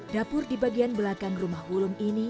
dapur di bagian belakang rumah wulung ini